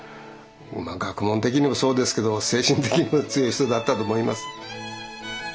学問的にもそうですけど精神的にも強い人だったと思います。